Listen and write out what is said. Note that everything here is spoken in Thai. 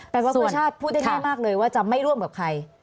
แปลว่าสุชาติพูดได้ง่ายมากเลยว่าจะไม่ร่วมกับใคร